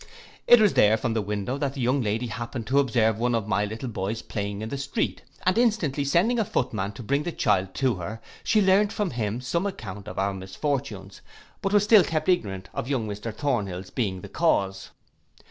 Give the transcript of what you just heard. It was there from the window that the young lady happened to observe one of my little boys playing in the street, and instantly sending a footman to bring the child to her, she learnt from him some account of our misfortunes; but was still kept ignorant of young Mr Thornhill's being the cause.